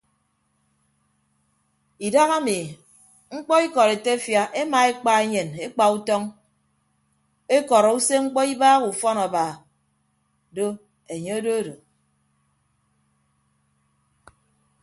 Idahami mkpọ ikọd etefia emaekpa enyen ekpa utọñ ekọrọ usemkpọ ibagha ufọn aba do enye ododo.